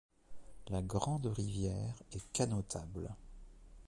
La Grande Rivière est canotable.